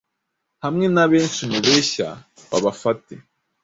hamwe nabenshi mubeshya babafate